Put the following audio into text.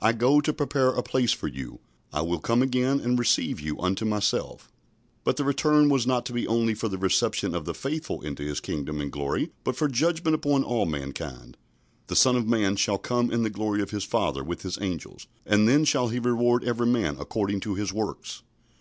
"I go to prepare a place for you." "I will come again, and receive you unto myself." But the return was not to be only for the reception of the faithful into His kingdom and glory, but for judgment upon all mankind. "The Son of man shall come in the glory of his Father with his angels; and then shall he reward every man according to his works."